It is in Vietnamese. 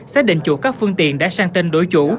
xác định chủ các phương tiện đã sang tên đối chủ